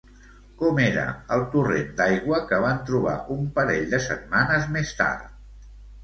Com era el torrent d'aigua que van trobar un parell de setmanes més tard?